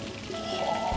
はあ！